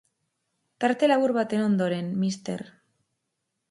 Tarte labur baten ondoren, Mr.